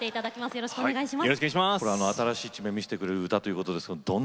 よろしくお願いします。